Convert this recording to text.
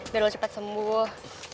biar lo cepat sembuh